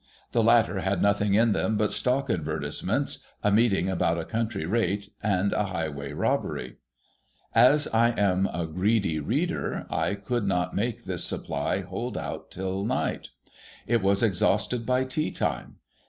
The latter had nothing in them but stock advertisements, a meeting about a county rate, and a highway robbery. As I am a FIRST IMPRESSIONS OF AN INN 93 greedy reader, I could not make this supply hold out until night ; it was exhausted by tea time.